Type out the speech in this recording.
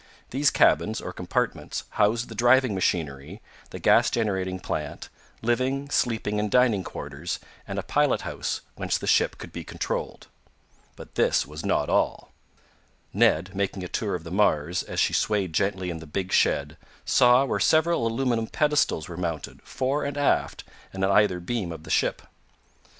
These cabins, or compartments, housed the driving machinery, the gas generating plant, living, sleeping and dining quarters, and a pilot house, whence the ship could be controlled. But this was not all. Ned, making a tour of the Mars, as she swayed gently in the big shed, saw where several aluminum pedestals were mounted, fore and aft and on either beam of the ship.